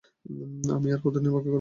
আমি আর কতদিন অপেক্ষা করবো?